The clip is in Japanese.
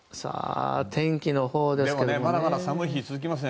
天気のほうですけどね。